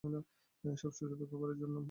এসব সুস্বাদু খাবারের জন্যে।